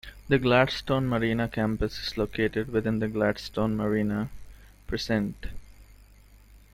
The Gladstone Marina campus is located within the Gladstone Marina precinct.